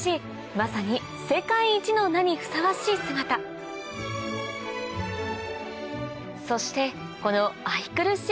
まさに世界一の名にふさわしい姿そしてこの愛くるしい顔とつぶらな瞳も魅力的